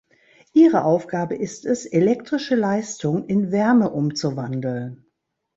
Ihre Aufgabe ist es, elektrische Leistung in Wärme umzuwandeln.